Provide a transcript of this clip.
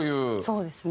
そうですね。